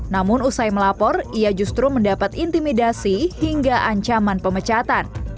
namun usai melapor ia justru mendapat intimidasi hingga ancaman pemecatan